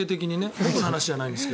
僕の話じゃないですが。